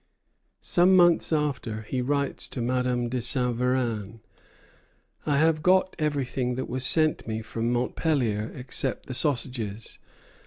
Some months after, he writes to Madame de Saint Véran: "I have got everything that was sent me from Montpellier except the sausages.